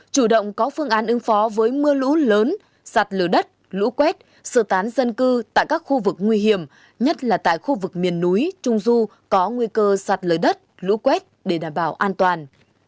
chủ động có phương án ứng phó với mưa lũ lớn sạt lở đất lũ quét sơ tán dân cư tại các khu vực nguy hiểm nhất là tại khu vực miền núi trung du có nguy cơ sạt lở đất lũ quét để đảm bảo an toàn